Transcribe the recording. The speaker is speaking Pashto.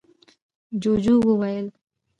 ُجوجُو وويل: